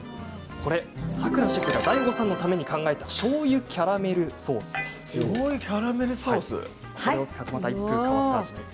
これは、さくらシェフがＤＡＩＧＯさんのために考えたしょうゆキャラメルソースです。